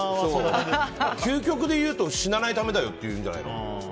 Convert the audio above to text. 究極で言うと死なないためだよっていうんじゃないの。